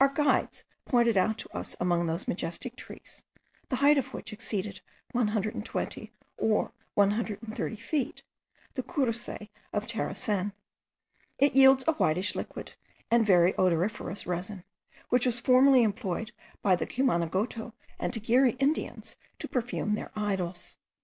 Our guides pointed out to us among those majestic trees, the height of which exceeded 120 or 130 feet, the curucay of Terecen. It yields a whitish liquid, and very odoriferous resin, which was formerly employed by the Cumanagoto and Tagiri Indians, to perfume their idols.